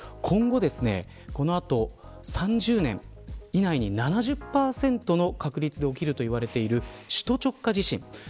この後３０年以内に７０％の確率で起きるといわれている首都直下地震。